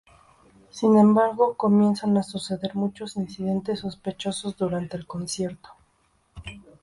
Sin embargo, comienzan a suceder muchos incidentes sospechosos durante el concierto.